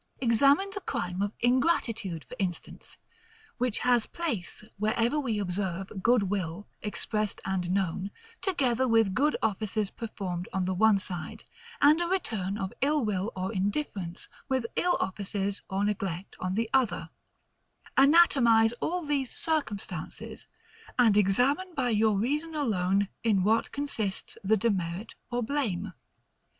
Examine the crime of INGRATITUDE, for instance; which has place, wherever we observe good will, expressed and known, together with good offices performed, on the one side, and a return of ill will or indifference, with ill offices or neglect on the other: anatomize all these circumstances, and examine, by your reason alone, in what consists the demerit or blame.